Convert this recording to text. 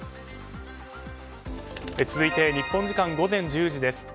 続いて日本時間午前１０時です。